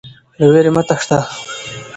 له ویرې مه تښته.